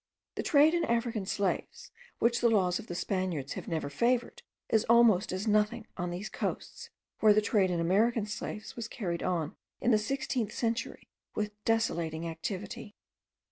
The trade in African slaves, which the laws of the Spaniards have never favoured, is almost as nothing on these coasts where the trade in American slaves was carried on in the sixteenth century with desolating activity.